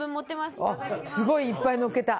すごいいっぱいのっけた。